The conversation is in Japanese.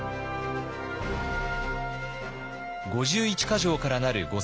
５１か条からなる御